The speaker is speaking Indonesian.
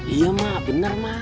iya mak bener mak